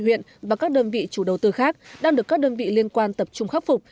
huyện và các đơn vị chủ đầu tư khác đang được các đơn vị liên quan tập trung khắc phục